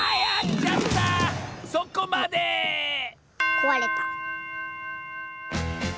こわれた。